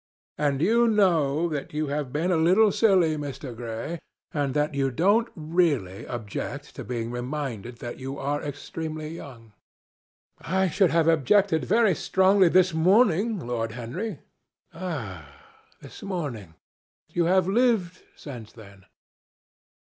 "And you know you have been a little silly, Mr. Gray, and that you don't really object to being reminded that you are extremely young." "I should have objected very strongly this morning, Lord Henry." "Ah! this morning! You have lived since then."